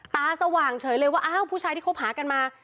สว่างเฉยเลยว่าอ้าวผู้ชายที่คบหากันมา